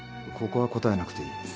ここは答えなくていい。